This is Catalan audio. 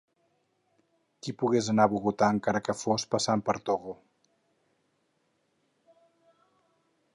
Qui pogués anar a Bogotà, encara que fos passant per Togo.